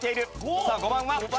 さあ５番は。